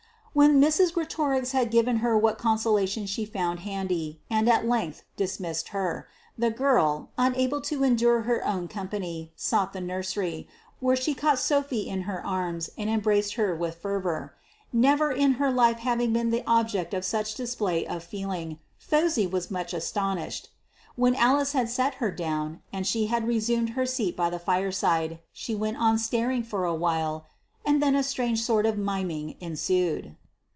When Mrs. Greatorex had given her what consolation she found handy, and at length dismissed her, the girl, unable to endure her own company, sought the nursery, where she caught Sophy in her arms and embraced her with fervour. Never in her life having been the object of any such display of feeling, Phosy was much astonished: when Alice had set her down and she had resumed her seat by the fireside, she went on staring for a while and then a strange sort of miming ensued.